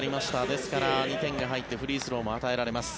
ですから２点が入ってフリースローも与えられます。